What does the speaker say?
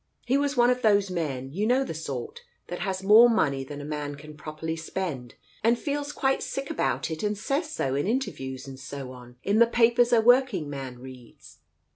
He was one of those men, you know the sort, that has more money than a man can properly spend, and feels quite sick about it, and says so, in interviews and so on, in the papers a working man reads.